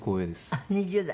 あっ２０代？